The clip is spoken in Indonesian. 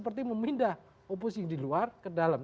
mereka memindah oposisi yang di luar ke dalam